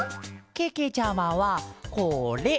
けけちゃまはこれ！